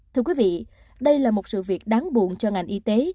thưa quý vị đây là một sự việc đáng buồn cho ngành y tế